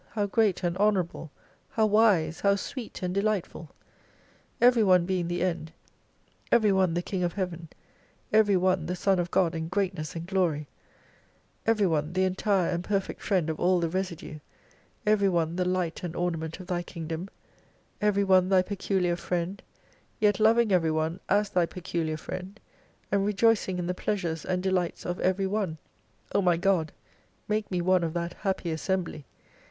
How great and honorable ! How wise ! How sweet and delightful ! Every one being the end, every one the King of Heaven ; every one the Son of God in greatness and glory ; every one the entire and perfect friend of all the residue ; every one the light and orna ment of Thy Kingdom ; every one Thy peculiar friend, yet loving every one as Thy peculiar friend : and re joicing in the pleasures and delights of every one ! O my God, make me one of that happy assembly.